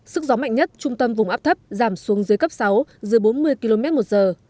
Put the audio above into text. sức gió mạnh nhất trung tâm vùng áp thấp giảm xuống dưới cấp sáu dưới bốn mươi km một giờ